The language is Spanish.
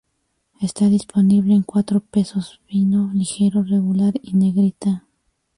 Está disponible en cuatro pesos: fino, ligero, regular y negrita.